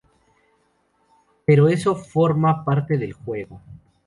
Pero eso forma parte del juego".